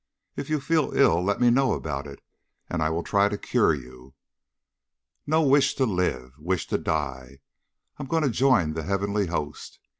If you feel ill let me know about it, and I will try to cure you." "No wish to live wish to die. I'm gwine to join the heavenly host."